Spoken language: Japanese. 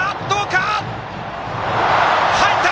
入った！